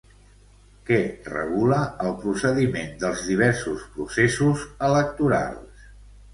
Què regula el procediment dels diversos processos electorals?